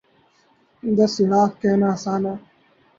دس لاکھ کہنا آسان ہے۔